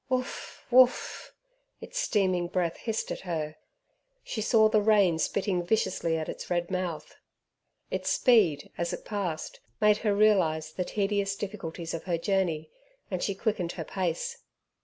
Whoof! whoof! its steaming breath hissed at her. She saw the rain spitting viciously at its red mouth. Its speed, as it passed, made her realize the tedious difficulties of her journey, and she quickened her pace.